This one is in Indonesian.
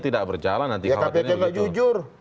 tidak berjalan nanti ya kpk enggak jujur